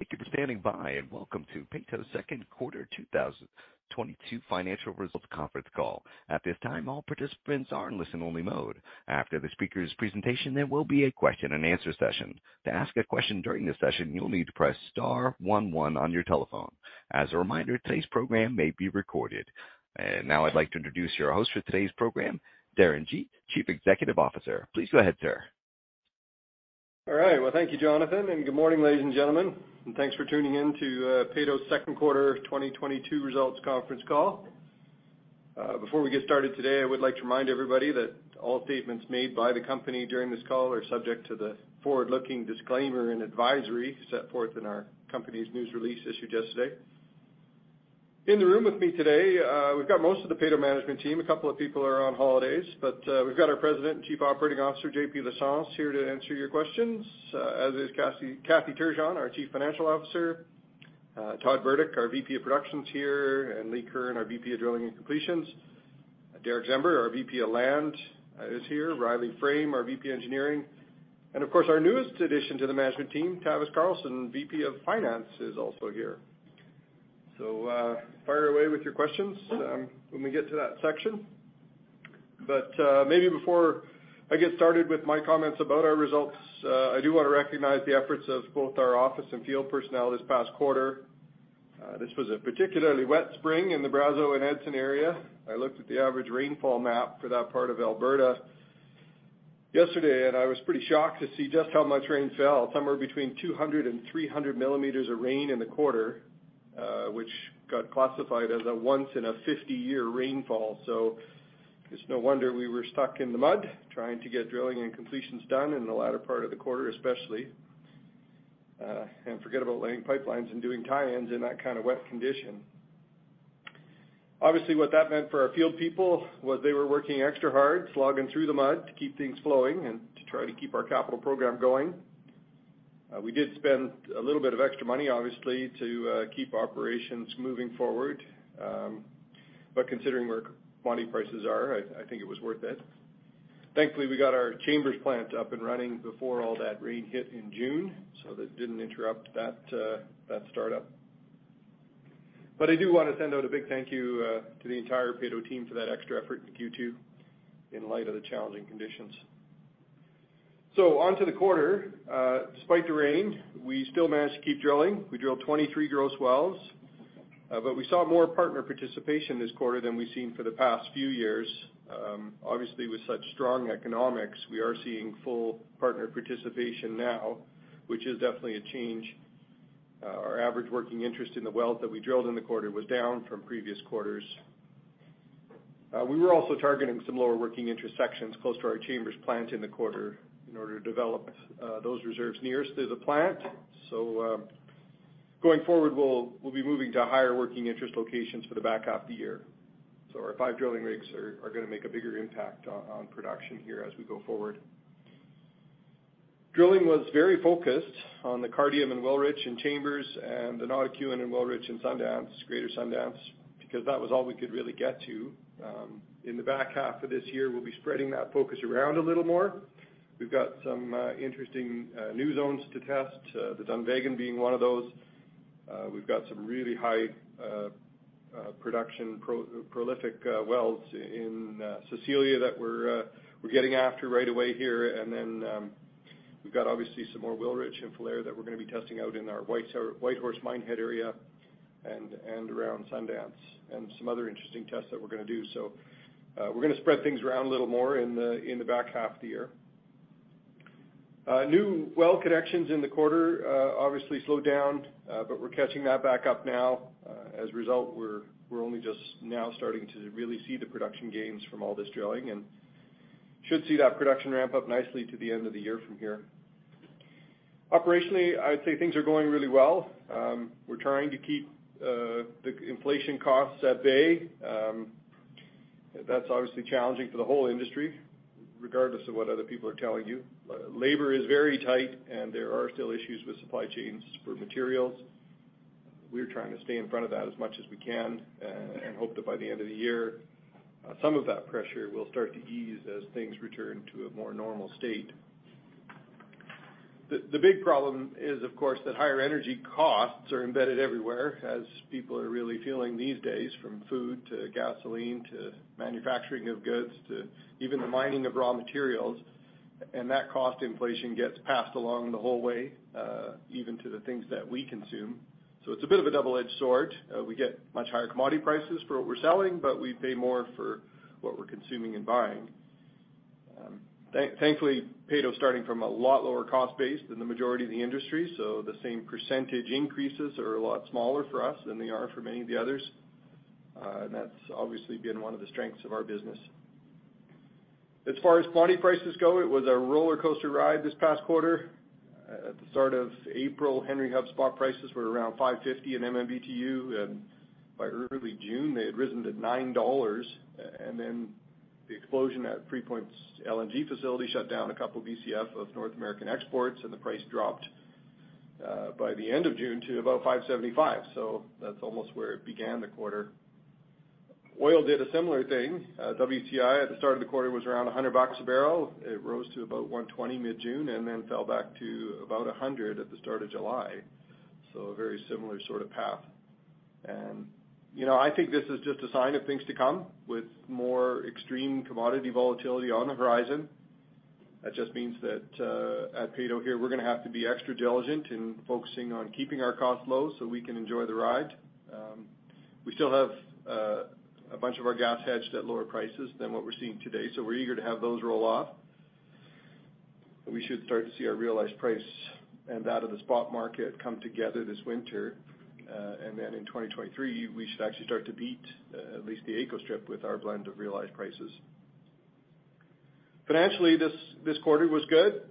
Thank you for standing by, and welcome to Peyto's second quarter 2022 financial results conference call. At this time, all participants are in listen-only mode. After the speakers' presentation, there will be a question-and-answer session. To ask a question during the session, you'll need to press star one one on your telephone. As a reminder, today's program may be recorded. Now I'd like to introduce your host for today's program, Darren Gee, Chief Executive Officer. Please go ahead, sir. All right. Well, thank you, Jonathan, and good morning, ladies and gentlemen, and thanks for tuning in to Peyto's second quarter 2022 results conference call. Before we get started today, I would like to remind everybody that all statements made by the company during this call are subject to the forward-looking disclaimer and advisory set forth in our company's news release issued yesterday. In the room with me today, we've got most of the Peyto management team. A couple of people are on holidays, but we've got our President and Chief Operating Officer, Jean-Paul Lachance, here to answer your questions, as is Kathy Turgeon, our Chief Financial Officer. Todd Burdick, our VP of Production here, and Lee Curran, our VP of Drilling and Completions. Derik Czember, our VP of Land, is here. Riley Frame, our VP Engineering. Of course, our newest addition to the management team, Tavis Carlson, VP of Finance, is also here. Fire away with your questions when we get to that section. Maybe before I get started with my comments about our results, I do wanna recognize the efforts of both our office and field personnel this past quarter. This was a particularly wet spring in the Brazeau and Edson area. I looked at the average rainfall map for that part of Alberta yesterday, and I was pretty shocked to see just how much rain fell, somewhere between 200 mm and 300 mm of rain in the quarter, which got classified as a once-in-a-50-year rainfall. It's no wonder we were stuck in the mud trying to get drilling and completions done in the latter part of the quarter, especially. Forget about laying pipelines and doing tie-ins in that kind of wet condition. Obviously, what that meant for our field people was they were working extra hard, slogging through the mud to keep things flowing and to try to keep our capital program going. We did spend a little bit of extra money, obviously, to keep operations moving forward. Considering where commodity prices are, I think it was worth it. Thankfully, we got our Chambers plant up and running before all that rain hit in June, so that didn't interrupt that startup. I do wanna send out a big thank you to the entire Peyto team for that extra effort in Q2 in light of the challenging conditions. Onto the quarter. Despite the rain, we still managed to keep drilling. We drilled 23 gross wells, but we saw more partner participation this quarter than we've seen for the past few years. Obviously, with such strong economics, we are seeing full partner participation now, which is definitely a change. Our average working interest in the wells that we drilled in the quarter was down from previous quarters. We were also targeting some lower working interest sections close to our Chambers plant in the quarter in order to develop those reserves nearest to the plant. Going forward, we'll be moving to higher working interest locations for the back half of the year. Our five drilling rigs are gonna make a bigger impact on production here as we go forward. Drilling was very focused on the Cardium and Wilrich in Chambers and the Nordegg-Ewan and Wilrich in Sundance, Greater Sundance, because that was all we could really get to. In the back half of this year, we'll be spreading that focus around a little more. We've got some interesting new zones to test, the Dunvegan being one of those. We've got some really high production prolific wells in Cecilia that we're getting after right away here. We've got obviously some more Wilrich in Falher that we're gonna be testing out in our White Horse/Minehead area and around Sundance and some other interesting tests that we're gonna do. We're gonna spread things around a little more in the back half of the year. New well connections in the quarter obviously slowed down, but we're catching that back up now. As a result, we're only just now starting to really see the production gains from all this drilling and should see that production ramp up nicely to the end of the year from here. Operationally, I'd say things are going really well. We're trying to keep the inflation costs at bay. That's obviously challenging for the whole industry, regardless of what other people are telling you. Labor is very tight, and there are still issues with supply chains for materials. We're trying to stay in front of that as much as we can and hope that by the end of the year, some of that pressure will start to ease as things return to a more normal state. The big problem is, of course, that higher energy costs are embedded everywhere as people are really feeling these days, from food to gasoline to manufacturing of goods to even the mining of raw materials. That cost inflation gets passed along the whole way, even to the things that we consume. It's a bit of a double-edged sword. We get much higher commodity prices for what we're selling, but we pay more for what we're consuming and buying. Thankfully, Peyto's starting from a lot lower cost base than the majority of the industry, so the same percentage increases are a lot smaller for us than they are for many of the others. That's obviously been one of the strengths of our business. As far as commodity prices go, it was a rollercoaster ride this past quarter. At the start of April, Henry Hub spot prices were around $5.50/MMBtu, and by early June, they had risen to $9. And then the explosion at Freeport's LNG facility shut down a couple Bcf of North American exports, and the price dropped by the end of June to about $5.75. That's almost where it began the quarter. Oil did a similar thing. WTI at the start of the quarter was around $100 a barrel. It rose to about $120 mid-June and then fell back to about $100 at the start of July. A very similar sort of path. You know, I think this is just a sign of things to come with more extreme commodity volatility on the horizon. That just means that, at Peyto here, we're gonna have to be extra diligent in focusing on keeping our costs low so we can enjoy the ride. We still have a bunch of our gas hedged at lower prices than what we're seeing today, so we're eager to have those roll off. We should start to see our realized price and that of the spot market come together this winter. In 2023, we should actually start to beat at least the AECO strip with our blend of realized prices. Financially, this quarter was good,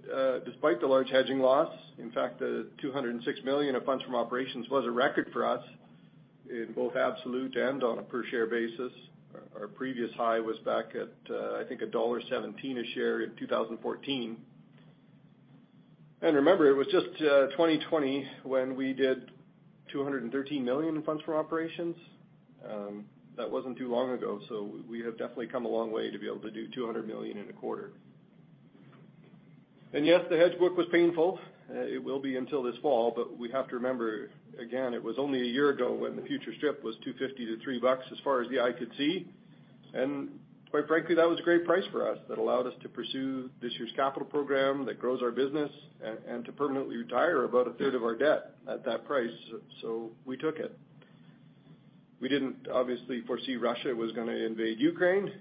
despite the large hedging loss. In fact, the 206 million of funds from operations was a record for us in both absolute and on a per share basis. Our previous high was back at, I think dollar 1.17 a share in 2014. Remember, it was just 2020 when we did 213 million in funds from operations. That wasn't too long ago, so we have definitely come a long way to be able to do 200 million in a quarter. Yes, the hedge book was painful. It will be until this fall, but we have to remember, again, it was only a year ago when the future strip was 2.50-3 bucks as far as the eye could see. Quite frankly, that was a great price for us that allowed us to pursue this year's capital program that grows our business and to permanently retire about 1/3 of our debt at that price, so we took it. We didn't obviously foresee Russia was gonna invade Ukraine,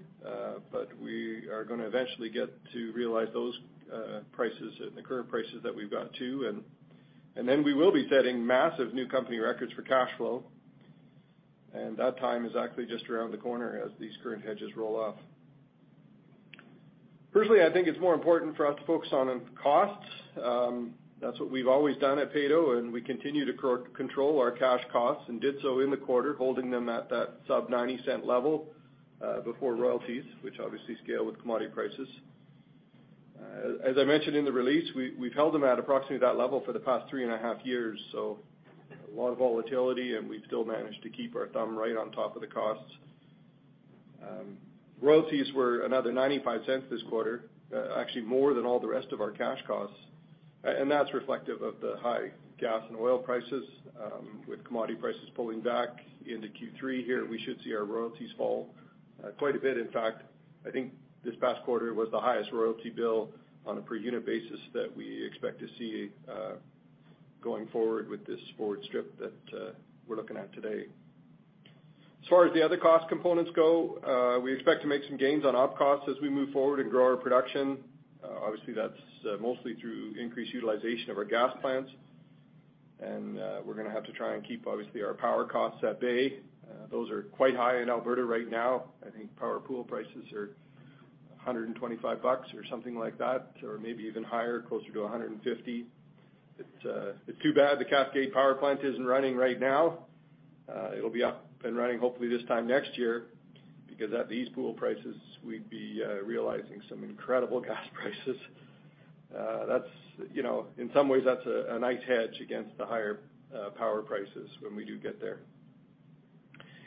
but we are gonna eventually get to realize those prices at the current prices that we've got too. Then we will be setting massive new company records for cash flow. That time is actually just around the corner as these current hedges roll off. Firstly, I think it's more important for us to focus on costs. That's what we've always done at Peyto, and we continue to control our cash costs and did so in the quarter, holding them at that sub CAD 0.90 Level before royalties, which obviously scale with commodity prices. As I mentioned in the release, we've held them at approximately that level for the past 3.5 years, so a lot of volatility, and we've still managed to keep our thumb right on top of the costs. Royalties were another 0.95 this quarter, actually more than all the rest of our cash costs, and that's reflective of the high gas and oil prices. With commodity prices pulling back into Q3 here, we should see our royalties fall quite a bit. In fact, I think this past quarter was the highest royalty bill on a per unit basis that we expect to see going forward with this forward strip that we're looking at today. As far as the other cost components go, we expect to make some gains on op costs as we move forward and grow our production. Obviously, that's mostly through increased utilization of our gas plants. We're gonna have to try and keep, obviously, our power costs at bay. Those are quite high in Alberta right now. I think power pool prices are 125 bucks or something like that, or maybe even higher, closer to 150. It's too bad the Cascade Power Plant isn't running right now. It'll be up and running hopefully this time next year because at these pool prices, we'd be realizing some incredible gas prices. That's, you know, in some ways, that's a nice hedge against the higher power prices when we do get there.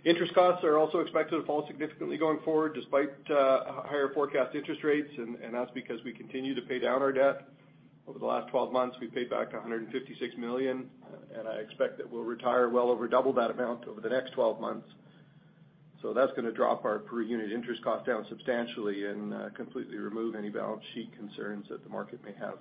Interest costs are also expected to fall significantly going forward, despite higher forecast interest rates, and that's because we continue to pay down our debt. Over the last 12 months, we paid back 156 million, and I expect that we'll retire well over double that amount over the next 12 months. That's gonna drop our per unit interest cost down substantially and completely remove any balance sheet concerns that the market may have.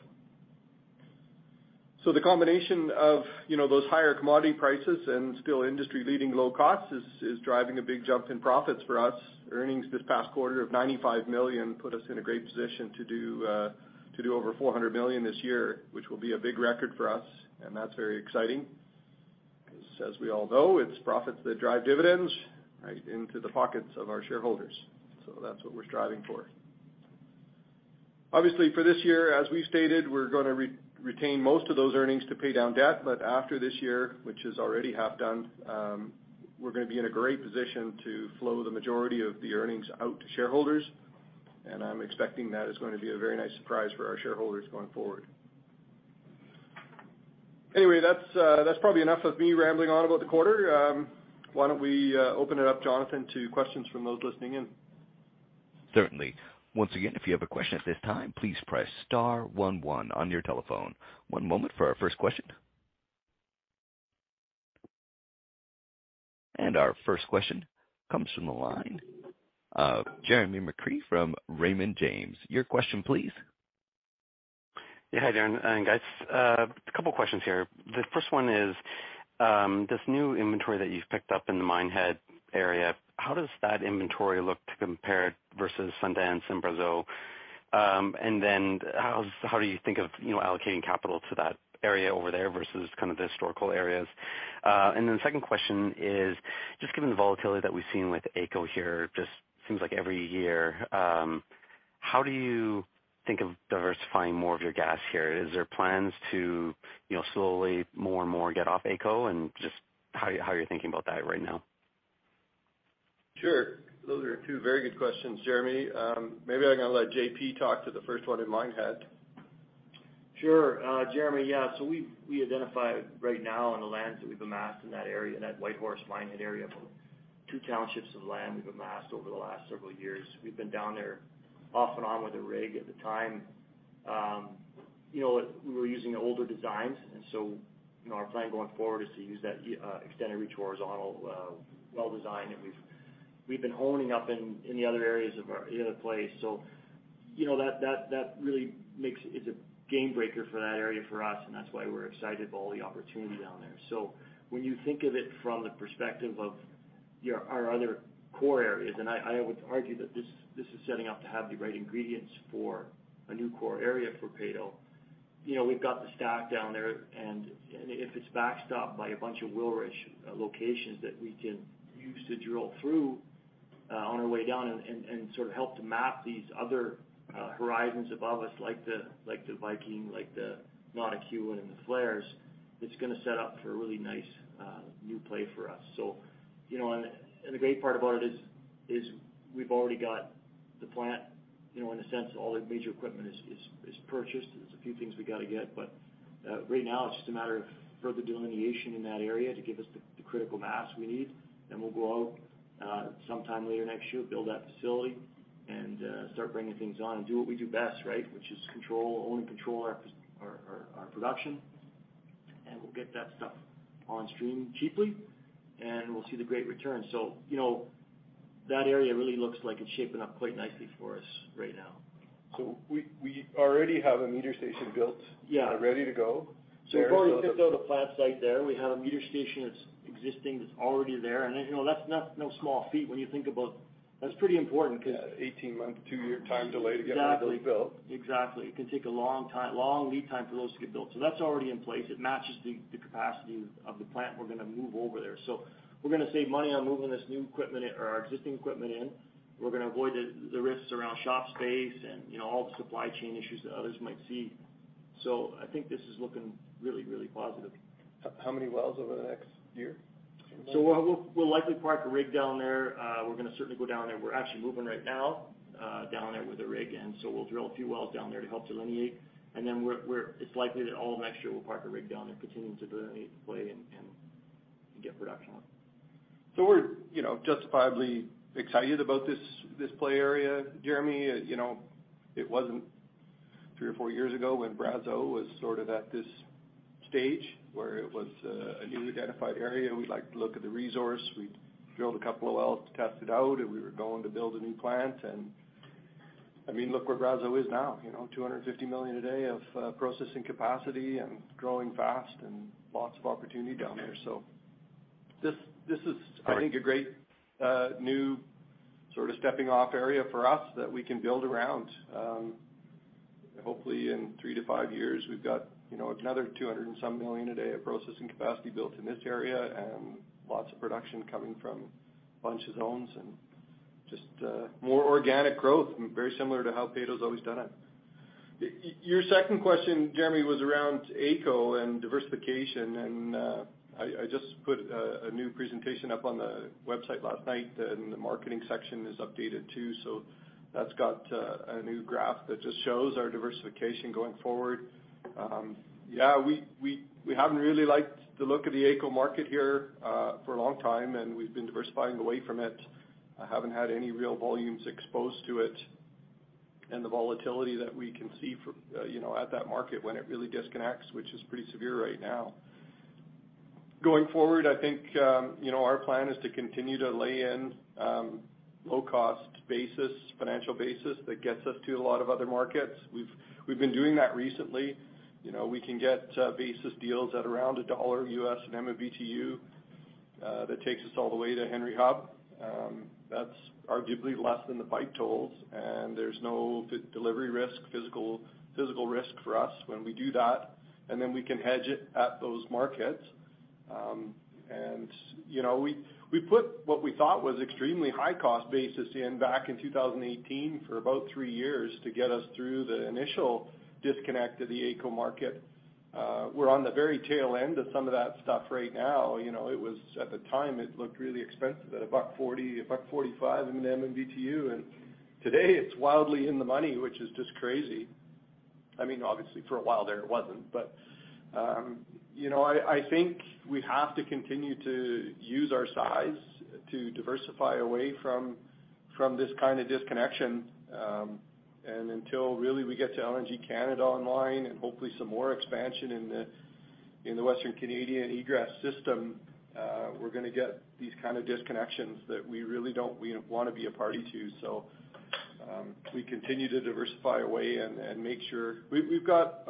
The combination of, you know, those higher commodity prices and still industry-leading low costs is driving a big jump in profits for us. Earnings this past quarter of 95 million put us in a great position to do over 400 million this year, which will be a big record for us, and that's very exciting. As we all know, it's profits that drive dividends right into the pockets of our shareholders. That's what we're striving for. Obviously, for this year, as we've stated, we're gonna retain most of those earnings to pay down debt. After this year, which is already half done, we're gonna be in a great position to flow the majority of the earnings out to shareholders. I'm expecting that is gonna be a very nice surprise for our shareholders going forward. Anyway, that's probably enough of me rambling on about the quarter. Why don't we open it up, Jonathan, to questions from those listening in? Certainly. Once again, if you have a question at this time, please press star one one on your telephone. One moment for our first question. Our first question comes from the line of Jeremy McCrea from Raymond James. Your question, please. Couple of questions here. The first one is this new inventory you have picked up in the Minehead area, how does that inventory look compared to Brazeau? And then how do you think of allocating capital to that area over there versus the other areas. And then second question is how do you think of diversifying more.. Sure. Those are two very good questions, Jeremy. Maybe I'm gonna let J.P. talk to the first one in Minehead. Sure. Jeremy, yeah, so we identified right now on the lands that we've amassed in that area, that Whitehorse Minehead area, about two townships of land we've amassed over the last several years. We've been down there off and on with a rig at the time. You know, we were using the older designs and so our plan going forward is to use that extended reach horizontal well design that we've been honing up in other plays. You know, that really is a game breaker for that area for us, and that's why we're excited about all the opportunity down there. When you think of it from the perspective of our other core areas, I would argue that this is setting up to have the right ingredients for a new core area for Peyto. You know, we've got the stack down there, and if it's backstopped by a bunch of Wilrich locations that we can use to drill through on our way down and sort of help to map these other horizons above us, like the Viking, like the Montney and the Falher, it's gonna set up for a really nice new play for us. You know, the great part about it is we've already got the plant, you know, in a sense, all the major equipment is purchased. There's a few things we gotta get, but right now it's just a matter of further delineation in that area to give us the critical mass we need. Then we'll go out sometime later next year, build that facility and start bringing things on and do what we do best, right? Which is control, own and control our production. We'll get that stuff on stream cheaply, and we'll see the great return. You know, that area really looks like it's shaping up quite nicely for us right now. We already have a meter station built. Yeah. ready to go there. We've already picked out a plant site there. We have a meter station that's existing, that's already there. You know, that's not no small feat when you think about. That's pretty important because. Yeah, 18-month, 2-year time delay to get that thing built. Exactly. It can take a long time, long lead time for those to get built. That's already in place. It matches the capacity of the plant we're gonna move over there. We're gonna save money on moving this new equipment or our existing equipment in. We're gonna avoid the risks around shop space and, you know, all the supply chain issues that others might see. I think this is looking really positive. How many wells over the next year do you think? We'll likely park a rig down there. We're gonna certainly go down there. We're actually moving right now down there with a rig in, so we'll drill a few wells down there to help delineate. Then it's likely that all of next year we'll park a rig down there, continuing to delineate the play and get production on. We're, you know, justifiably excited about this play area, Jeremy. You know, it wasn't three or four years ago when Brazeau was sort of at this stage where it was a newly identified area. We'd like to look at the resource. We'd drilled a couple of wells to test it out, and we were going to build a new plant. I mean, look where Brazeau is now, you know, 250 million a day of processing capacity and growing fast and lots of opportunity down there. This is. Right. I think a great new sort of stepping off area for us that we can build around. Hopefully, in 3-5 years we've got, you know, another 200 and some million a day of processing capacity built in this area and lots of production coming from a bunch of zones and just more organic growth and very similar to how Peyto's always done it. Your second question, Jeremy, was around AECO and diversification, and I just put a new presentation up on the website last night, and the marketing section is updated too. That's got a new graph that just shows our diversification going forward. Yeah, we haven't really liked the look of the AECO market here for a long time, and we've been diversifying away from it. I haven't had any real volumes exposed to it. The volatility that we can see for you know at that market when it really disconnects, which is pretty severe right now. Going forward, I think you know our plan is to continue to lay in low cost basis, financial basis that gets us to a lot of other markets. We've been doing that recently. You know, we can get basis deals at around $1/MMBtu that takes us all the way to Henry Hub. That's arguably less than the pipe tolls, and there's no delivery risk, physical risk for us when we do that. Then we can hedge it at those markets. We put what we thought was extremely high-cost basis in back in 2018 for about 3 years to get us through the initial disconnect of the AECO market. We're on the very tail end of some of that stuff right now. You know, it was, at the time, it looked really expensive at $1.40, $1.45 in an MMBtu. Today it's wildly in the money, which is just crazy. I mean, obviously for a while there it wasn't. You know, I think we have to continue to use our size to diversify away from this kind of disconnection. Until really we get to LNG Canada online and hopefully some more expansion in the Western Canadian egress system, we're gonna get these kind of disconnections that we really don't, you know, wanna be a party to. We continue to diversify away and make sure. We've got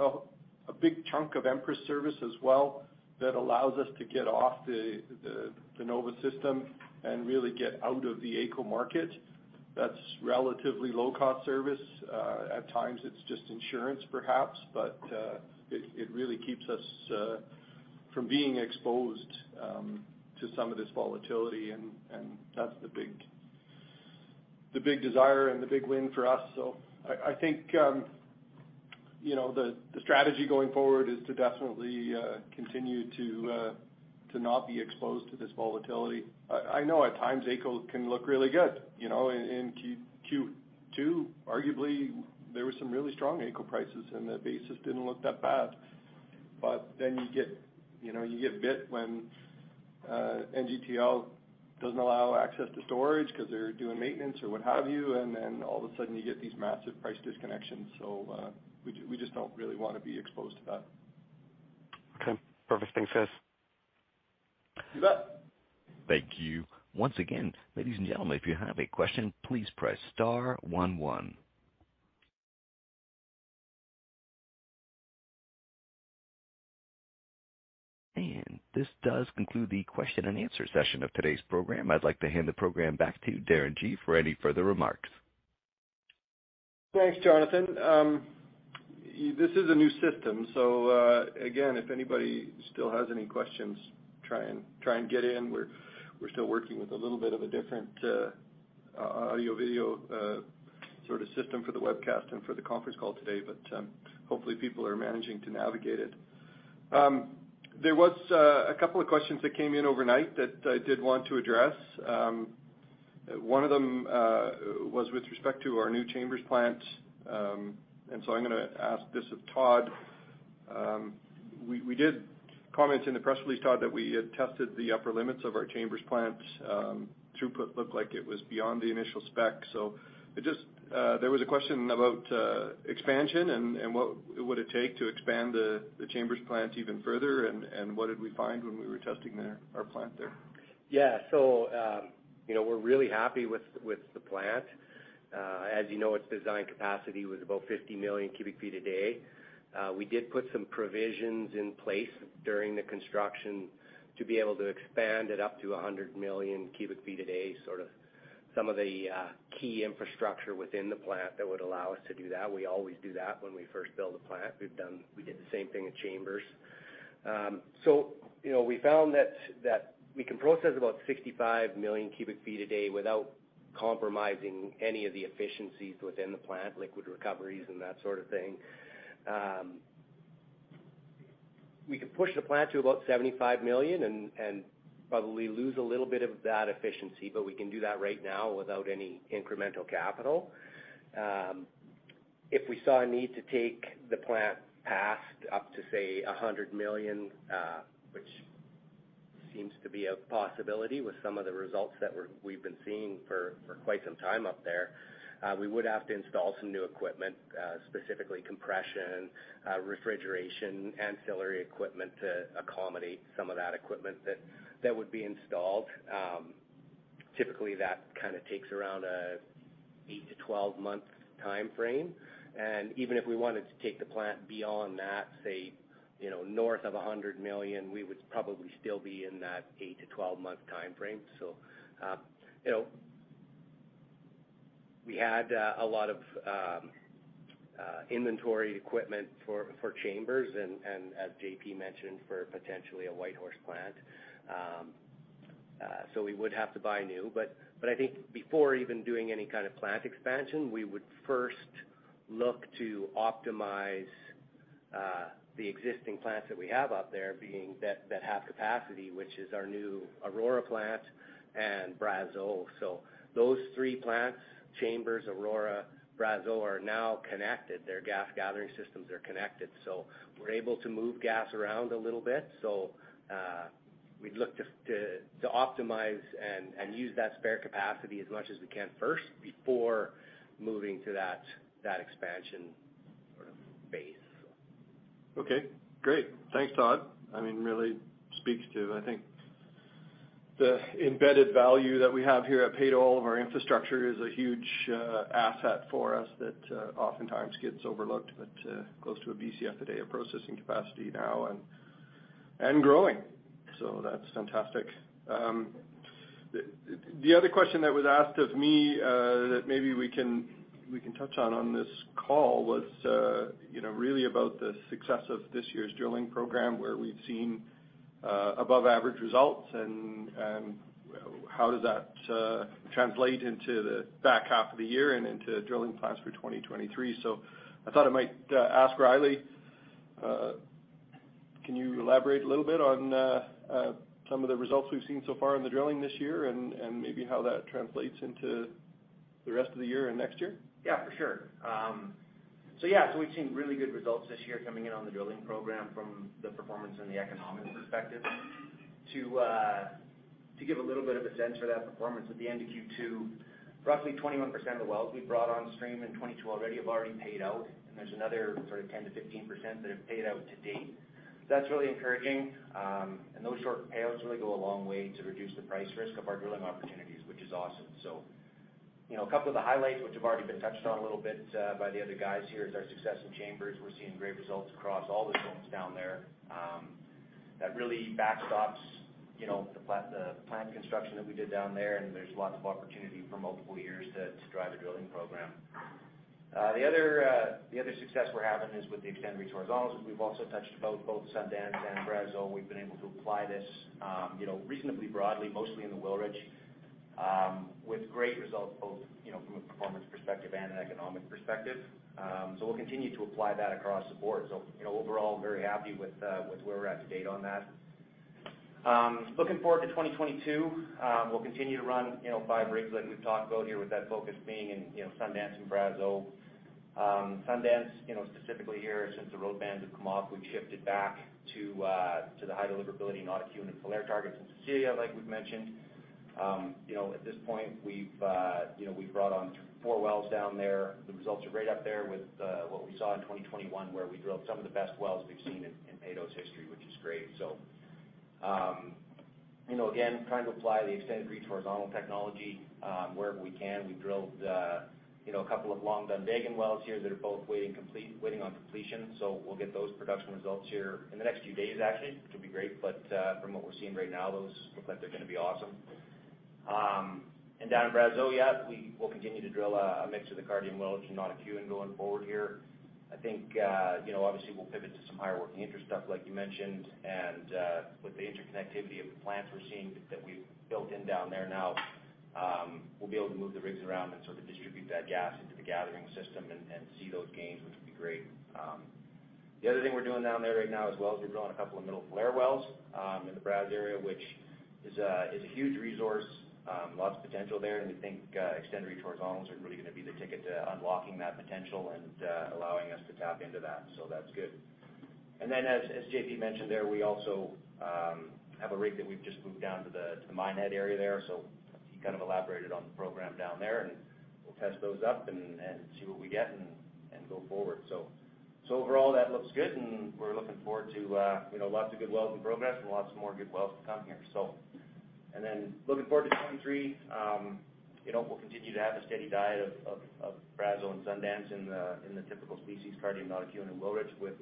a big chunk of Empress service as well that allows us to get off the Nova system and really get out of the AECO market. That's relatively low-cost service. At times it's just insurance perhaps, but it really keeps us from being exposed to some of this volatility and that's the big desire and the big win for us. I think, you know, the strategy going forward is to definitely continue to not be exposed to this volatility. I know at times AECO can look really good. You know, in Q2, arguably there were some really strong AECO prices, and the basis didn't look that bad. Then you get, you know, you get bit when NGTL doesn't allow access to storage 'cause they're doing maintenance or what have you, and then all of a sudden you get these massive price disconnections. We just don't really wanna be exposed to that. Okay. Perfect. Thanks, Darren Gee. You bet. Thank you. Once again, ladies and gentlemen, if you have a question, please press star one. This does conclude the question and answer session of today's program. I'd like to hand the program back to Darren Gee for any further remarks. Thanks, Jonathan. This is a new system, so again, if anybody still has any questions, try and get in. We're still working with a little bit of a different audio/video sort of system for the webcast and for the conference call today. Hopefully people are managing to navigate it. There was a couple of questions that came in overnight that I did want to address. One of them was with respect to our new Chambers plant. I'm gonna ask this of Todd. We did comment in the press release, Todd, that we had tested the upper limits of our Chambers plant. Throughput looked like it was beyond the initial spec. There was a question about expansion and what would it take to expand the Chambers plant even further, and what did we find when we were testing there, our plant there? Yeah. You know, we're really happy with the plant. As you know, its design capacity was about 50 million cu ft a day. We did put some provisions in place during the construction to be able to expand it up to 100 million cu ft a day, sort of some of the key infrastructure within the plant that would allow us to do that. We always do that when we first build a plant. We did the same thing at Chambers. You know, we found that we can process about 65 million cu ft a day without compromising any of the efficiencies within the plant, liquid recoveries and that sort of thing. We can push the plant to about 75 million and probably lose a little bit of that efficiency, but we can do that right now without any incremental capital. If we saw a need to take the plant past up to, say, 100 million, which seems to be a possibility with some of the results that we've been seeing for quite some time up there, we would have to install some new equipment, specifically compression, refrigeration, ancillary equipment to accommodate some of that equipment that would be installed. Typically, that kind of takes around an 8- to 12-month timeframe. Even if we wanted to take the plant beyond that, say, you know, north of 100 million, we would probably still be in that 8- to 12-month timeframe. You know, we had a lot of inventory equipment for Chambers and, as J.P. mentioned, for potentially a White Horse plant. We would have to buy new. But I think before even doing any kind of plant expansion, we would first look to optimize the existing plants that we have out there, being that have capacity, which is our new Aurora plant and Brazeau. Those three plants, Chambers, Aurora, Brazeau, are now connected. Their gas gathering systems are connected. We're able to move gas around a little bit. We'd look to optimize and use that spare capacity as much as we can first before moving to that expansion sort of phase. Okay. Great. Thanks, Todd. I mean, really speaks to I think the embedded value that we have here at Peyto of our infrastructure is a huge asset for us that oftentimes gets overlooked, but close to a BCF a day of processing capacity now and growing. That's fantastic. The other question that was asked of me that maybe we can touch on on this call was you know really about the success of this year's drilling program where we've seen above average results and how does that translate into the back half of the year and into drilling plans for 2023. I thought I might ask Riley, can you elaborate a little bit on some of the results we've seen so far in the drilling this year and maybe how that translates into the rest of the year and next year? Yeah, for sure. So yeah, we've seen really good results this year coming in on the drilling program from the performance and the economics perspective. To give a little bit of a sense for that performance at the end of Q2, roughly 21% of the wells we've brought on stream in 2022 already have paid out, and there's another sort of 10%-15% that have paid out to date. That's really encouraging. Those short payouts really go a long way to reduce the price risk of our drilling opportunities, which is awesome. You know, a couple of the highlights which have already been touched on a little bit by the other guys here is our success in Brazeau. We're seeing great results across all the zones down there. That really backstops, you know, the plant construction that we did down there, and there's lots of opportunity for multiple years to drive the drilling program. The other success we're having is with the extended reach horizontals. We've also touched both Sundance and Brazeau. We've been able to apply this, you know, reasonably broadly, mostly in the Wilrich. With great results both, you know, from a performance perspective and an economic perspective. We'll continue to apply that across the board. You know, overall very happy with where we're at to date on that. Looking forward to 2022, we'll continue to run, you know, five rigs like we've talked about here with that focus being in, you know, Sundance and Brazeau. Sundance, you know, specifically here since the road bans have come off, we've shifted back to the high deliverability Notikewin and Falher targets in Cecilia, like we've mentioned. You know, at this point, we've brought on 4 wells down there. The results are great up there with what we saw in 2021 where we drilled some of the best wells we've seen in Peyto's history, which is great. You know, again, trying to apply the extended reach horizontal technology wherever we can. We drilled a couple of long Dunvegan wells here that are both waiting on completion. We'll get those production results here in the next few days actually, which will be great. From what we're seeing right now, those look like they're gonna be awesome. Down in Brazeau, yeah, we will continue to drill a mix of the Cardium wells and Notikewin going forward here. I think, you know, obviously we'll pivot to some higher working interest stuff like you mentioned. With the interconnectivity of the plants we're seeing that we've built in down there now, we'll be able to move the rigs around and sort of distribute that gas into the gathering system and see those gains, which will be great. The other thing we're doing down there right now as well is we're drilling a couple of Middle Falher wells in the Brazeau area, which is a huge resource. Lots of potential there. We think extended reach horizontals are really gonna be the ticket to unlocking that potential and allowing us to tap into that. That's good. As J.P. mentioned there, we also have a rig that we've just moved down to the Minehead area there. He kind of elaborated on the program down there, and we'll test those up and see what we get and go forward. Overall that looks good, and we're looking forward to you know, lots of good wells in progress and lots more good wells to come here. Looking forward to 2023, you know, we'll continue to have a steady diet of Brazeau and Sundance in the typical species, Cardium, Notikewin, and Wilrich with,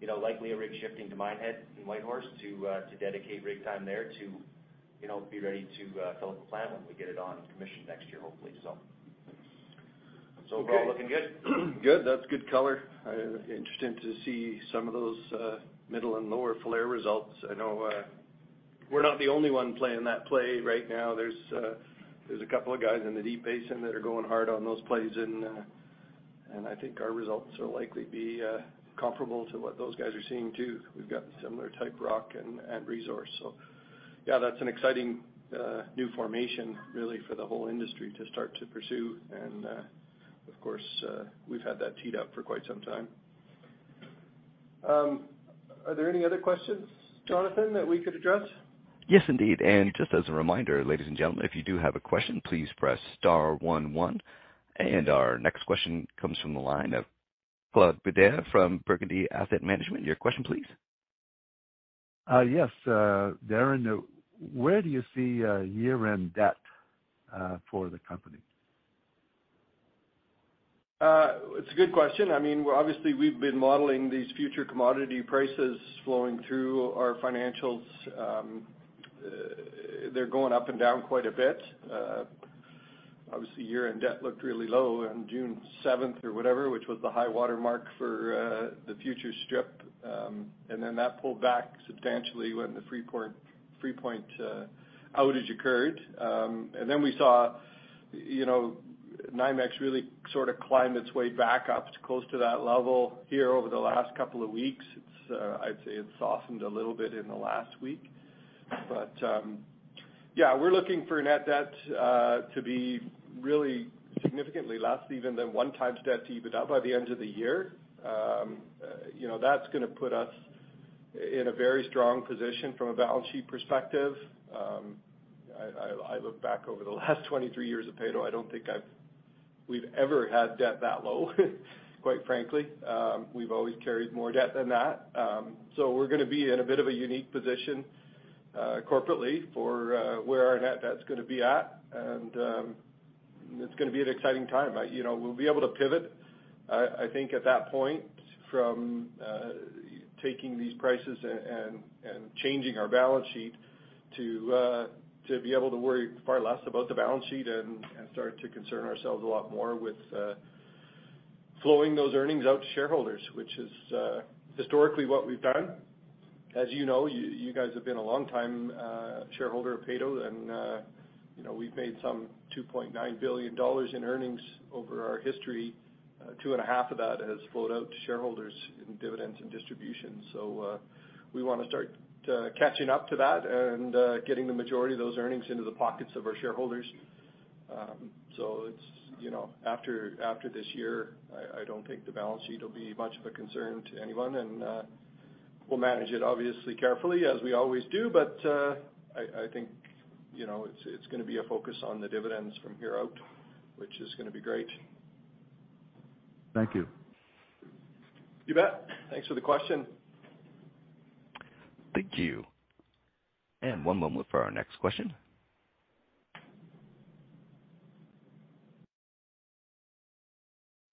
you know, likely a rig shifting to Minehead and White Horse to dedicate rig time there to, you know, be ready to fill up the plant when we get it on commission next year, hopefully so. Overall looking good. Good. That's good color. I'm interested to see some of those middle and lower Falher results. I know we're not the only one playing that play right now. There's a couple of guys in the Deep Basin that are going hard on those plays and I think our results will likely be comparable to what those guys are seeing too. We've got similar type rock and resource. So yeah, that's an exciting new formation really for the whole industry to start to pursue and of course we've had that teed up for quite some time. Are there any other questions, Jonathan, that we could address? Yes, indeed. Just as a reminder, ladies and gentlemen, if you do have a question, please press star one one. Our next question comes from the line of Claude Bédard from Burgundy Asset Management. Your question please. Yes. Darren, where do you see year-end debt for the company? It's a good question. I mean, obviously we've been modeling these future commodity prices flowing through our financials. They're going up and down quite a bit. Obviously year-end debt looked really low on June 17th or whatever, which was the high watermark for the future strip. That pulled back substantially when the Freeport outage occurred. We saw, you know, NYMEX really sort of climb its way back up to close to that level here over the last couple of weeks. It's, I'd say it softened a little bit in the last week. Yeah, we're looking for net debt to be really significantly less even than 1x debt to EBITDA by the end of the year. You know, that's gonna put us in a very strong position from a balance sheet perspective. I look back over the last 23 years of Peyto. I don't think we've ever had debt that low quite frankly. We've always carried more debt than that. We're gonna be in a bit of a unique position corporately for where our net debt's gonna be at. It's gonna be an exciting time. You know, we'll be able to pivot, I think at that point from taking these prices and changing our balance sheet to be able to worry far less about the balance sheet and start to concern ourselves a lot more with flowing those earnings out to shareholders, which is historically what we've done. As you know, you guys have been a long time shareholder of Peyto and, you know, we've made some 2.9 billion dollars in earnings over our history. 2.5 of that has flowed out to shareholders in dividends and distributions. We want to start catching up to that and getting the majority of those earnings into the pockets of our shareholders. It's, you know, after this year, I don't think the balance sheet will be much of a concern to anyone and we'll manage it obviously carefully as we always do. I think, you know, it's gonna be a focus on the dividends from here out, which is gonna be great. Thank you. You bet. Thanks for the question. Thank you. One moment for our next question.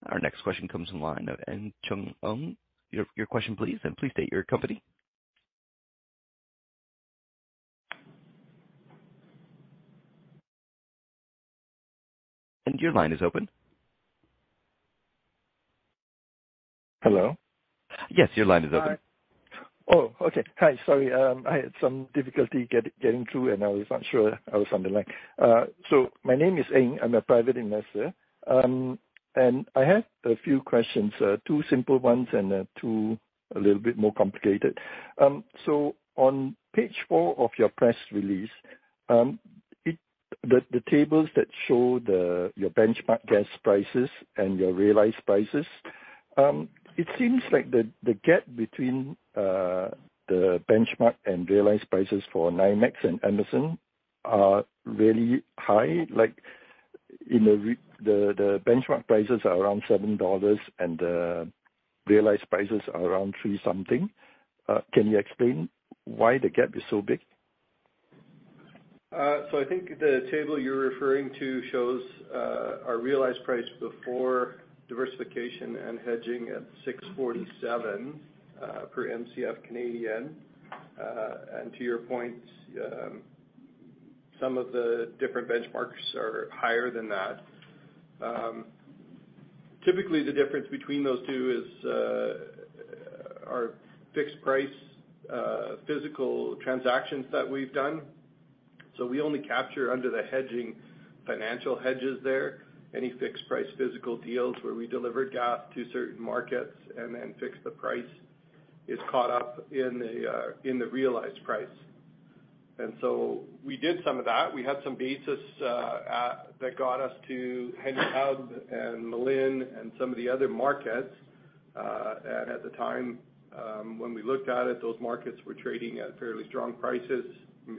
Our next question comes from the line of N. Chung Um. Your question please, and please state your company. Your line is open. Hello? Yes, your line is open. Hi. Oh, okay. Hi, sorry. I had some difficulty getting through, and I was not sure I was on the line. My name is N. Chung. I'm a private investor. I have a few questions, two simple ones and two a little bit more complicated. On page 4 of your press release, the tables that show your benchmark gas prices and your realized prices, it seems like the gap between the benchmark and realized prices for NYMEX and AECO are really high, like the benchmark prices are around $7 and realized prices are around $3 something. Can you explain why the gap is so big? I think the table you're referring to shows our realized price before diversification and hedging at 6.47 per Mcf. To your point, some of the different benchmarks are higher than that. Typically, the difference between those two is our fixed price physical transactions that we've done. We only capture under the hedging financial hedges there. Any fixed price physical deals where we delivered gas to certain markets and then fixed the price is caught up in the realized price. We did some of that. We had some basis that got us to Henry Hub and Malin and some of the other markets. At the time, when we looked at it, those markets were trading at fairly strong prices,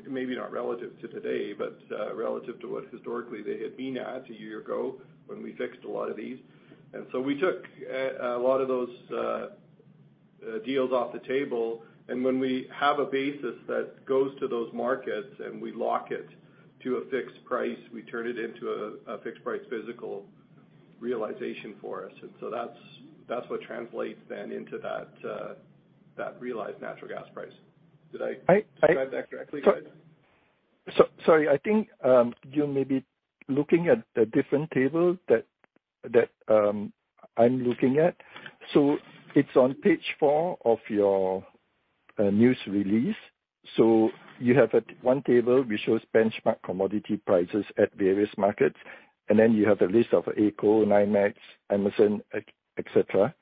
maybe not relative to today, but relative to what historically they had been at a year ago when we fixed a lot of these. We took a lot of those deals off the table. When we have a basis that goes to those markets and we lock it to a fixed price, we turn it into a fixed price physical realization for us. That's what translates then into that realized natural gas price. I- Describe that correctly? Sorry. I think you may be looking at a different table that I'm looking at. It's on page 4 of your news release. You have one table which shows benchmark commodity prices at various markets, and then you have the list of AECO, NYMEX, Empress, etc.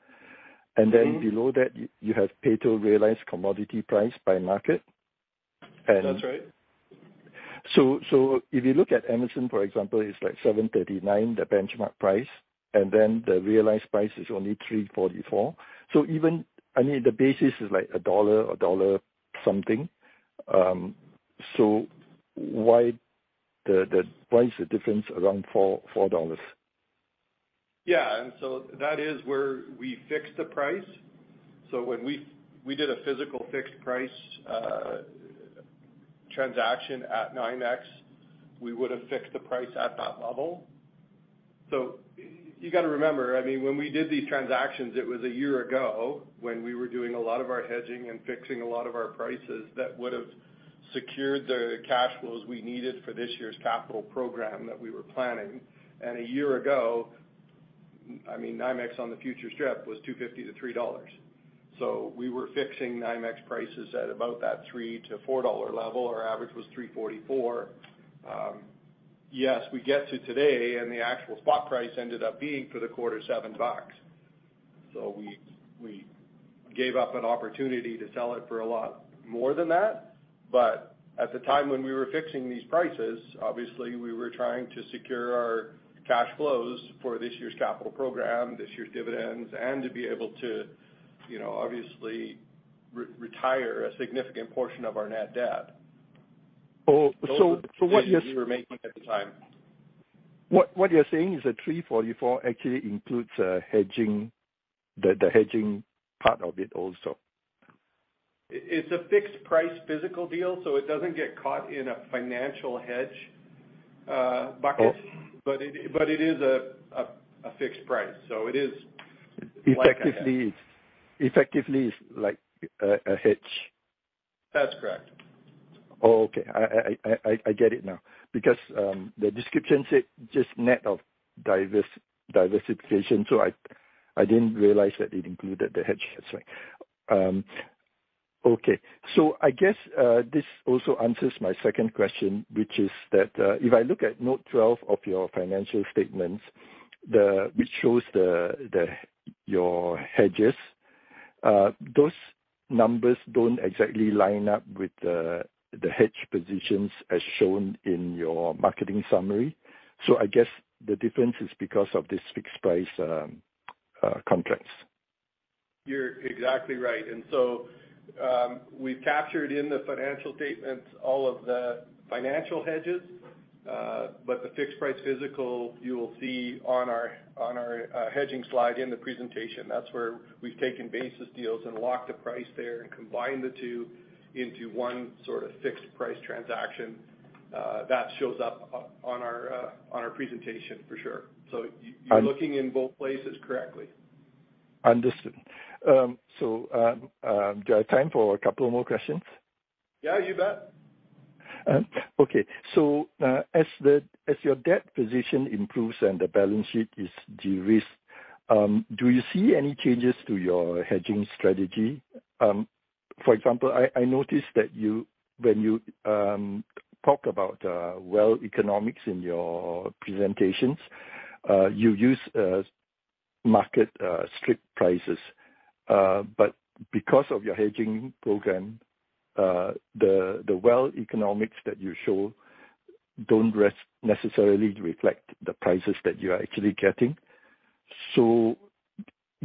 Mm-hmm. Below that, you have Peyto realized commodity price by market. That's right. If you look at Empress, for example, it's like $7.39, the benchmark price, and then the realized price is only $3.44. Even, I mean, the basis is like a dollar or something. Why the difference around $4? Yeah. That is where we fixed the price. When we did a physical fixed price transaction at NYMEX, we would have fixed the price at that level. You gotta remember, I mean, when we did these transactions, it was a year ago, when we were doing a lot of our hedging and fixing a lot of our prices, that would've secured the cash flows we needed for this year's capital program that we were planning. A year ago, I mean NYMEX on the futures strip was $2.50-$3. We were fixing NYMEX prices at about that $3-$4 level. Our average was $3.44. Yes, we get to today, and the actual spot price ended up being, for the quarter, $7. We gave up an opportunity to sell it for a lot more than that. At the time when we were fixing these prices, obviously, we were trying to secure our cash flows for this year's capital program, this year's dividends, and to be able to, you know, obviously re-retire a significant portion of our net debt. Oh, what you're s- Those were the decisions we were making at the time. What you're saying is that 3.44 actually includes hedging, the hedging part of it also. It's a fixed price physical deal, so it doesn't get caught in a financial hedge bucket. Oh. It is a fixed price. Effectively it's like a hedge. That's correct. Oh, okay. I get it now. Because the description said just net of diversification, I didn't realize that it included the hedge. That's right. Okay. I guess this also answers my second question, which is that if I look at note 12 of your financial statements, which shows your hedges, those numbers don't exactly line up with the hedge positions as shown in your marketing summary. I guess the difference is because of this fixed price contracts. You're exactly right. We've captured in the financial statements all of the financial hedges, but the fixed price physical you will see on our hedging slide in the presentation. That's where we've taken basis deals and locked the price there and combined the two into one sort of fixed price transaction. That shows up on our presentation for sure. I- You're looking in both places correctly. Understood. Do I have time for a couple more questions? Yeah, you bet. Okay. As your debt position improves and the balance sheet is de-risked, do you see any changes to your hedging strategy? For example, I noticed that when you talk about well economics in your presentations, you use market strip prices. Because of your hedging program, the well economics that you show don't necessarily reflect the prices that you're actually getting.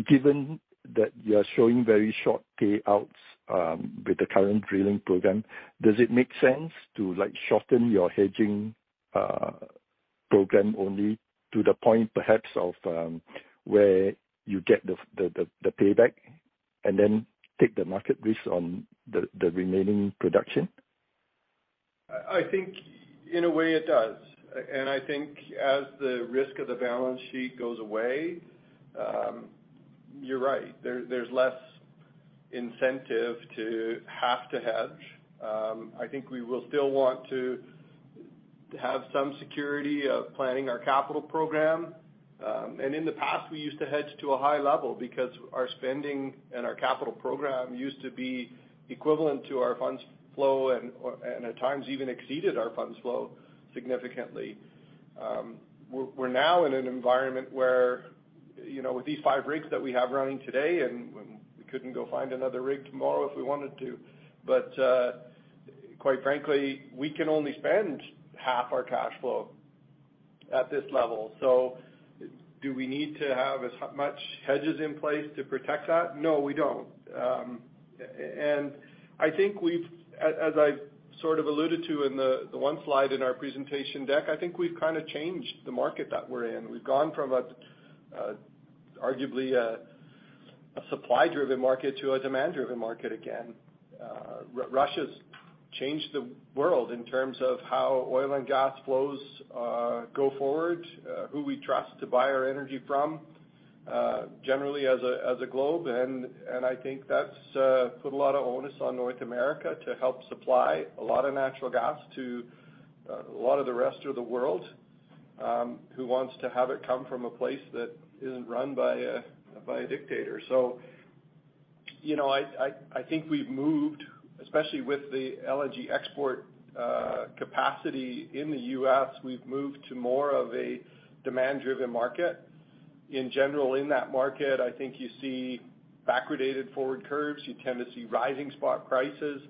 Given that you are showing very short payouts with the current drilling program, does it make sense to, like, shorten your hedging program only to the point perhaps of where you get the payback and then take the market risk on the remaining production? I think in a way it does. I think as the risk of the balance sheet goes away, you're right, there's less incentive to have to hedge. I think we will still want to have some security of planning our capital program. In the past we used to hedge to a high level because our spending and our capital program used to be equivalent to our funds flow and at times even exceeded our funds flow significantly. We're now in an environment where, you know, with these 5 rigs that we have running today, and we couldn't go find another rig tomorrow if we wanted to, but quite frankly, we can only spend half our cash flow at this level. Do we need to have as much hedges in place to protect that? No, we don't. As I've sort of alluded to in the one slide in our presentation deck, I think we've kinda changed the market that we're in. We've gone from arguably a supply-driven market to a demand-driven market again. Russia's changed the world in terms of how oil and gas flows go forward, who we trust to buy our energy from, generally as a globe. I think that's put a lot of onus on North America to help supply a lot of natural gas to a lot of the rest of the world who wants to have it come from a place that isn't run by a dictator. you know, I think we've moved, especially with the LNG export capacity in the U.S., to more of a demand-driven market. In general, in that market, I think you see backwardated forward curves. You tend to see rising spot prices.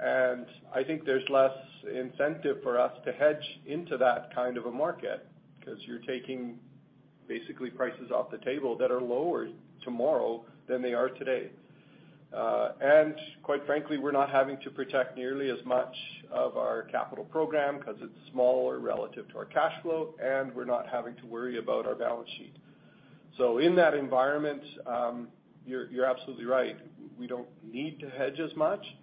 I think there's less incentive for us to hedge into that kind of a market, 'cause you're taking basically prices off the table that are lower tomorrow than they are today. quite frankly, we're not having to protect nearly as much of our capital program 'cause it's smaller relative to our cash flow, and we're not having to worry about our balance sheet. In that environment, you're absolutely right. We don't need to hedge as much,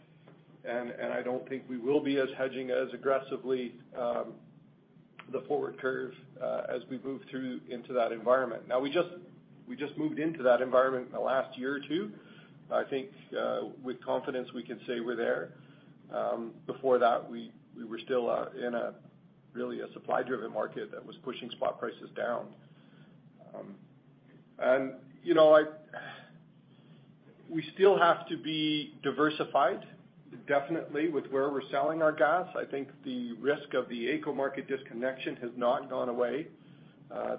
and I don't think we will be as hedging as aggressively, the forward curve, as we move through into that environment. Now, we just moved into that environment in the last year or two. I think, with confidence we can say we're there. Before that, we were still in a really supply-driven market that was pushing spot prices down. You know, we still have to be diversified, definitely with where we're selling our gas. I think the risk of the AECO market disconnection has not gone away.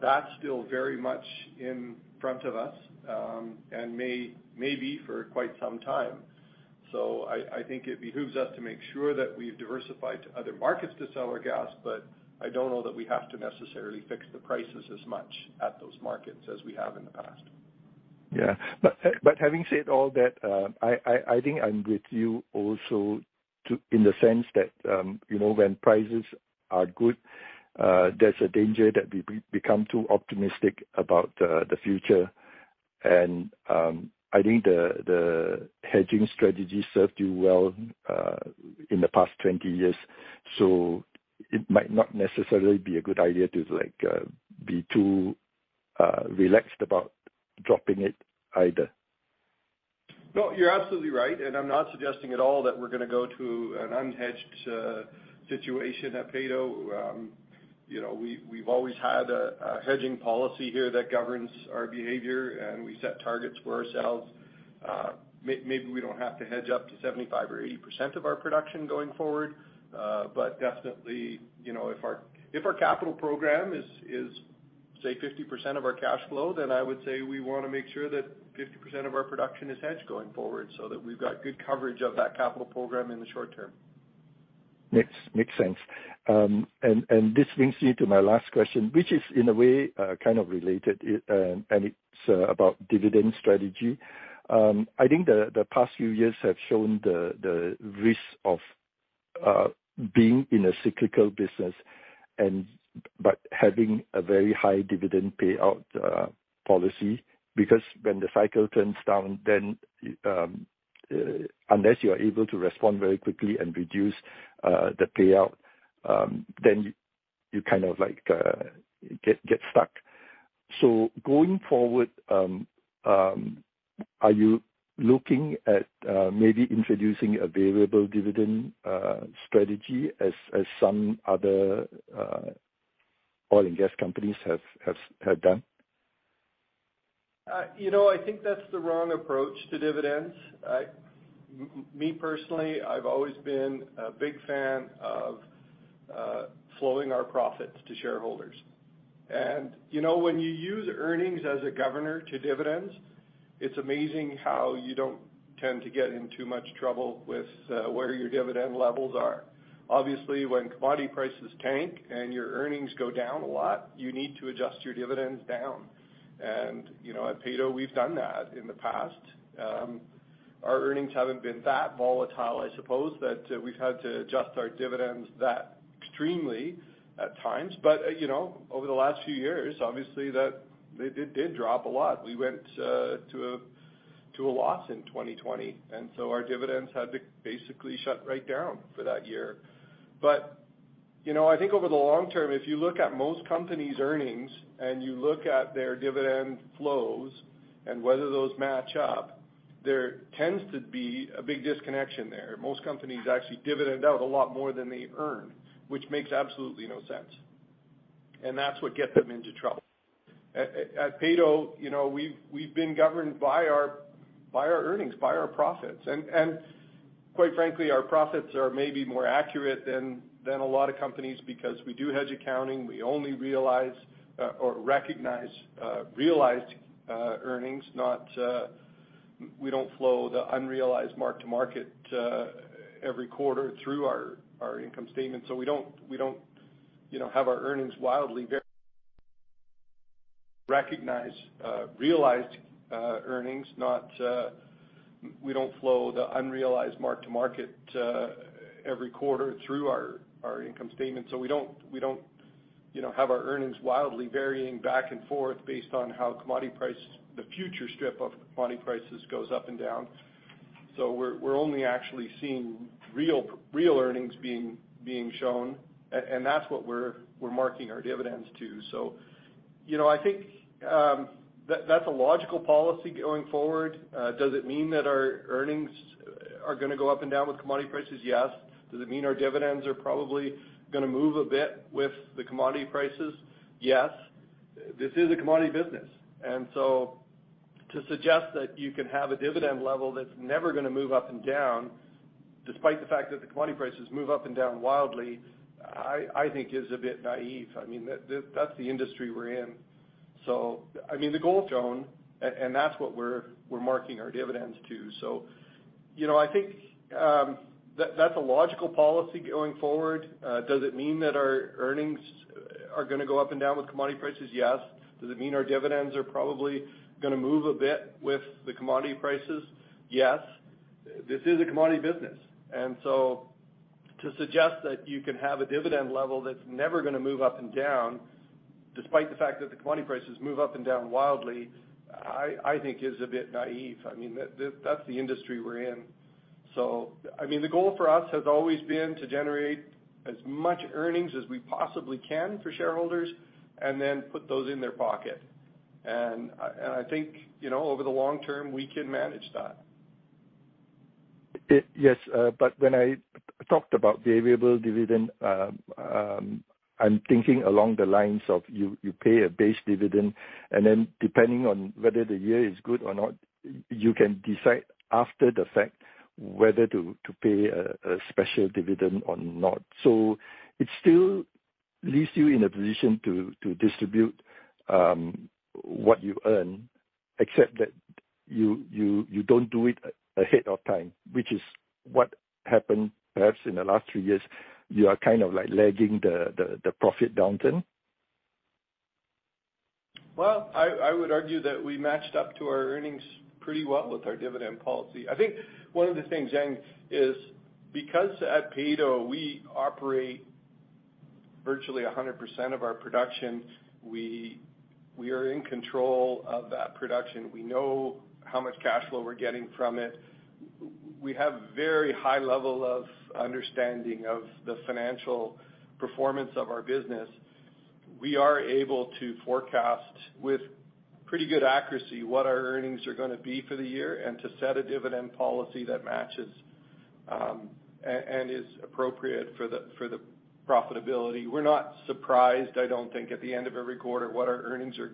That's still very much in front of us, and may be for quite some time. I think it behooves us to make sure that we've diversified to other markets to sell our gas, but I don't know that we have to necessarily fix the prices as much at those markets as we have in the past. Having said all that, I think I'm with you also in the sense that, you know, when prices are good, there's a danger that we become too optimistic about the future. I think the hedging strategy served you well in the past 20 years. It might not necessarily be a good idea to just, like, be too relaxed about dropping it either. No, you're absolutely right, and I'm not suggesting at all that we're gonna go to an unhedged situation at Peyto. You know, we've always had a hedging policy here that governs our behavior, and we set targets for ourselves. Maybe we don't have to hedge up to 75% or 80% of our production going forward. Definitely, you know, if our capital program is, say, 50% of our cash flow, then I would say we wanna make sure that 50% of our production is hedged going forward, so that we've got good coverage of that capital program in the short term. Makes sense. This brings me to my last question, which is, in a way, kind of related, and it's about dividend strategy. I think the past few years have shown the risk of being in a cyclical business but having a very high dividend payout policy, because when the cycle turns down, unless you are able to respond very quickly and reduce the payout, then you kind of like get stuck. Going forward, are you looking at maybe introducing a variable dividend strategy as some other oil and gas companies have done? You know, I think that's the wrong approach to dividends. Me personally, I've always been a big fan of flowing our profits to shareholders. You know, when you use earnings as a governor to dividends, it's amazing how you don't tend to get in too much trouble with where your dividend levels are. Obviously, when commodity prices tank and your earnings go down a lot, you need to adjust your dividends down. You know, at Peyto, we've done that in the past. Our earnings haven't been that volatile, I suppose, that we've had to adjust our dividends that extremely at times. You know, over the last few years, obviously that they did drop a lot. We went to a loss in 2020, and so our dividends had to basically shut right down for that year. You know, I think over the long term, if you look at most companies' earnings and you look at their dividend flows and whether those match up, there tends to be a big disconnection there. Most companies actually dividend out a lot more than they earn, which makes absolutely no sense. That's what gets them into trouble. At Peyto, you know, we've been governed by our earnings, by our profits. Quite frankly, our profits are maybe more accurate than a lot of companies because we do hedge accounting. We only recognize realized earnings, not. We don't flow the unrealized mark-to-market every quarter through our income statement. So we don't, you know, have our earnings wildly vary. We don't flow the unrealized mark-to-market every quarter through our income statement. We don't you know have our earnings wildly varying back and forth based on how commodity prices the future strip of commodity prices goes up and down. We're only actually seeing real earnings being shown. That's what we're marking our dividends to. You know I think that's a logical policy going forward. Does it mean that our earnings are gonna go up and down with commodity prices? Yes. Does it mean our dividends are probably gonna move a bit with the commodity prices? Yes. This is a commodity business, and so to suggest that you can have a dividend level that's never gonna move up and down despite the fact that the commodity prices move up and down wildly, I think is a bit naive. I mean, that's the industry we're in. I mean, the goal for us has always been to generate as much earnings as we possibly can for shareholders and then put those in their pocket. I think, you know, over the long term, we can manage that. Yes. When I talked about variable dividend, I'm thinking along the lines of you pay a base dividend, and then depending on whether the year is good or not, you can decide after the fact whether to pay a special dividend or not. It still leaves you in a position to distribute what you earn, except that you don't do it ahead of time, which is what happened perhaps in the last three years. You are kind of like lagging the profit downturn. Well, I would argue that we matched up to our earnings pretty well with our dividend policy. I think one of the things, Yang, is because at Peyto we operate virtually 100% of our production, we are in control of that production. We know how much cash flow we're getting from it. We have very high level of understanding of the financial performance of our business. We are able to forecast with pretty good accuracy what our earnings are gonna be for the year and to set a dividend policy that matches and is appropriate for the profitability. We're not surprised, I don't think, at the end of every quarter, what our earnings are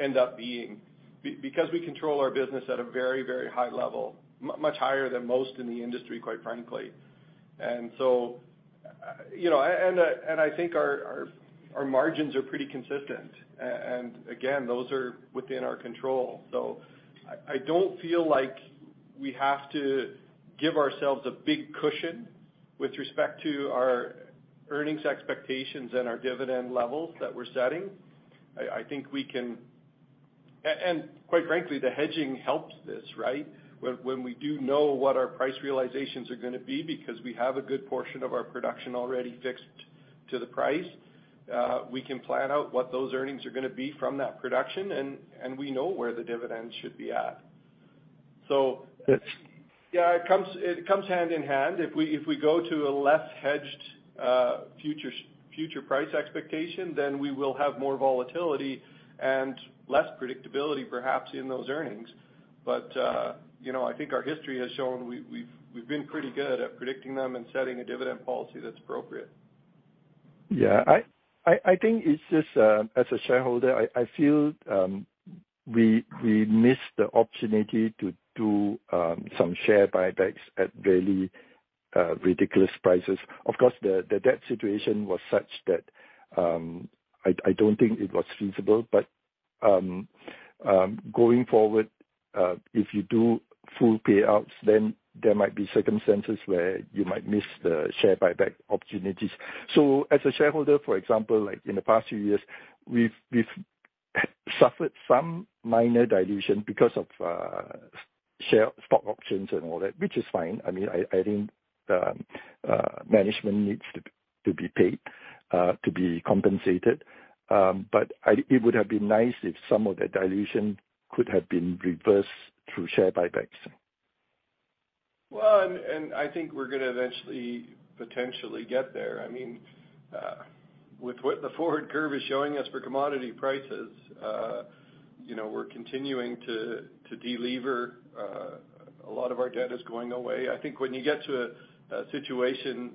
end up being because we control our business at a very, very high level, much higher than most in the industry, quite frankly. You know, I think our margins are pretty consistent. Again, those are within our control. I don't feel like we have to give ourselves a big cushion with respect to our earnings expectations and our dividend levels that we're setting. I think we can. Quite frankly, the hedging helps this, right? When we do know what our price realizations are gonna be because we have a good portion of our production already fixed to the price, we can plan out what those earnings are gonna be from that production and we know where the dividends should be at. Yeah, it comes hand in hand. If we go to a less hedged future price expectation, then we will have more volatility and less predictability perhaps in those earnings. you know, I think our history has shown we've been pretty good at predicting them and setting a dividend policy that's appropriate. Yeah. I think it's just as a shareholder, I feel we miss the opportunity to do some share buybacks at very ridiculous prices. Of course, the debt situation was such that I don't think it was feasible. Going forward, if you do full payouts, then there might be circumstances where you might miss the share buyback opportunities. As a shareholder, for example, like in the past few years, we've suffered some minor dilution because of share stock options and all that, which is fine. I mean, I think management needs to be paid to be compensated. It would have been nice if some of the dilution could have been reversed through share buybacks. Well, I think we're gonna eventually, potentially get there. I mean, with what the forward curve is showing us for commodity prices, you know, we're continuing to delever. A lot of our debt is going away. I think when you get to a situation,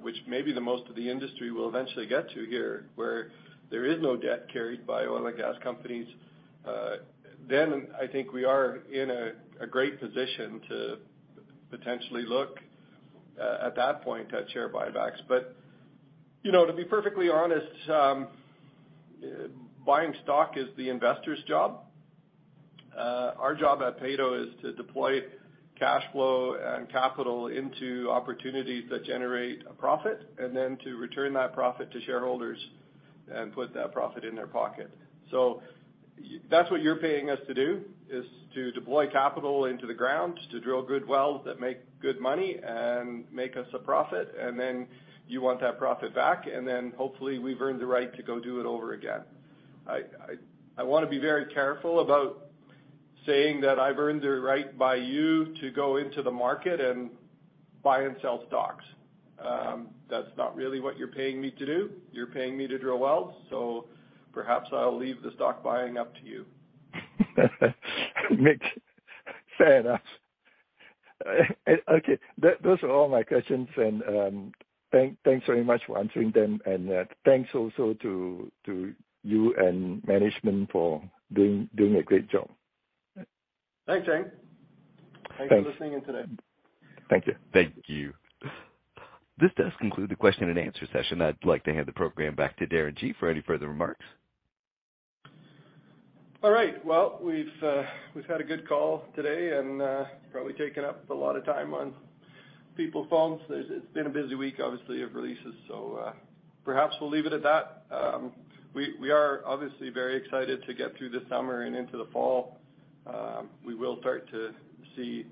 which maybe the most of the industry will eventually get to here, where there is no debt carried by oil and gas companies, then I think we are in a great position to potentially look at that point at share buybacks. You know, to be perfectly honest, buying stock is the investor's job. Our job at Peyto is to deploy cash flow and capital into opportunities that generate a profit, and then to return that profit to shareholders and put that profit in their pocket. That's what you're paying us to do, is to deploy capital into the ground to drill good wells that make good money and make us a profit, and then you want that profit back, and then hopefully we've earned the right to go do it over again. I wanna be very careful about saying that I've earned the right by you to go into the market and buy and sell stocks. That's not really what you're paying me to do. You're paying me to drill wells, so perhaps I'll leave the stock buying up to you. Makes sense. Okay. Those are all my questions and thanks very much for answering them, and thanks also to you and management for doing a great job. Thanks, Hank. Thanks. Thanks for listening in today. Thank you. Thank you. This does conclude the question and-answer-session. I'd like to hand the program back to Darren Gee for any further remarks. All right. Well, we've had a good call today and probably taken up a lot of time on people's phones. It's been a busy week obviously of releases, so perhaps we'll leave it at that. We are obviously very excited to get through the summer and into the fall. We will start to see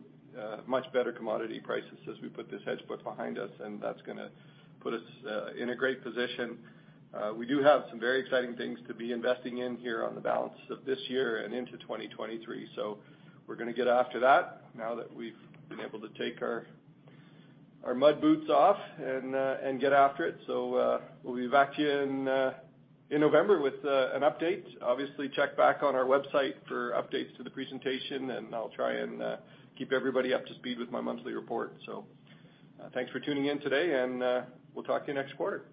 much better commodity prices as we put this hedge book behind us, and that's gonna put us in a great position. We do have some very exciting things to be investing in here on the balance of this year and into 2023. We're gonna get after that now that we've been able to take our mud boots off and get after it. We'll be back to you in November with an update. Obviously, check back on our website for updates to the presentation, and I'll try and keep everybody up to speed with my monthly report. Thanks for tuning in today, and we'll talk to you next quarter.